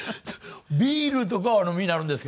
ビールとかはお飲みになるんですか？